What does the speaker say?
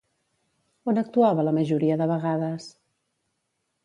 On actuava la majoria de vegades?